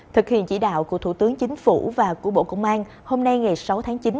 thực hiện chỉ đạo của thủ tướng chính phủ và của bộ công an hôm nay ngày sáu tháng chín